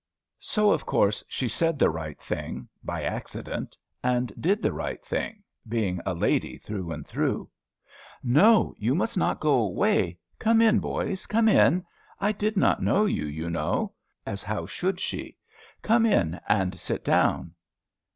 So, of course, she said the right thing, by accident, and did the right thing, being a lady through and through. "No, you must not go away. Come in, boys, come in. I did not know you, you know." As how should she. "Come in and sit down."